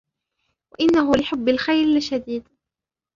وَإِنَّهُ لِحُبِّ الْخَيْرِ لَشَدِيدٌ